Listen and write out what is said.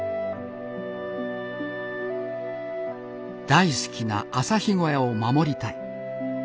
大好きな朝日小屋を守りたい。